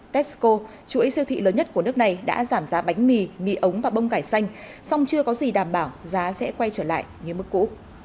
tesco chuỗi siêu thị lớn nhất của nước này đã giảm giá bánh mì mì ống và bông cải xanh song chưa có gì đảm bảo giá sẽ quay trở lại như mức cũ